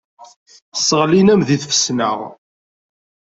Sseɣlin-am deg tfesna.